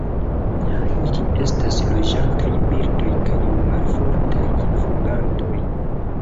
Ili estas loĝantaj birdoj kaj malfortaj flugantoj.